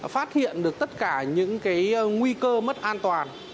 phát hiện được tất cả những nguy cơ mất an toàn